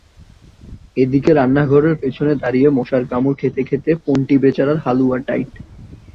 এদিকে রান্নাঘরের পেছনে দাঁড়িয়ে মশার কামড় খেতে খেতে পন্টি বেচারার হালুয়া টাইট।